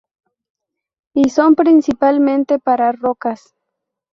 Y son principalmente para rocas